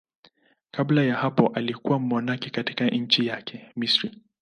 Kabla ya hapo alikuwa mmonaki katika nchi yake, Misri.